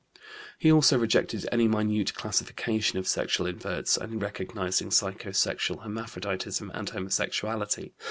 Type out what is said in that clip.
He also rejected any minute classification of sexual inverts, only recognizing psycho sexual hermaphroditism and homosexuality.